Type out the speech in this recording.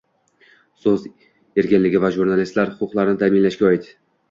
so‘z erkinligi va jurnalistlar huquqlarini ta’minlashga oid